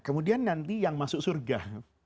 kemudian nanti yang masuk surga